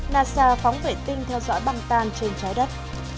nasa phóng vệ tinh theo dõi băng tan trên trái đất